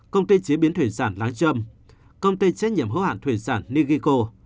công ty chế biến thủy sản láng trâm công ty trách nhiệm hữu hạn thủy sản nigiko